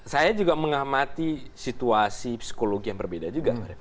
saya juga mengamati situasi psikologi yang berbeda juga mereka